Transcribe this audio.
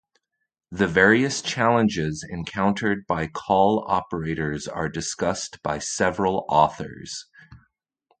The various challenges encountered by call operators are discussed by several authors.